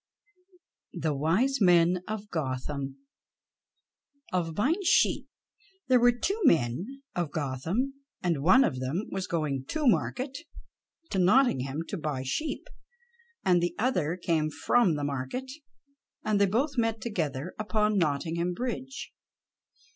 The Wise Men of Gotham OF BUYING OF SHEEP There were two men of Gotham, and one of them was going to market to Nottingham to buy sheep, and the other came from the market, and they both met together upon Nottingham bridge.